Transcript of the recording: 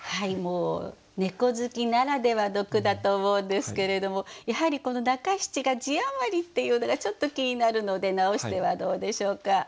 もう猫好きならではの句だと思うんですけれどもやはりこの中七が字余りっていうのがちょっと気になるので直してはどうでしょうか？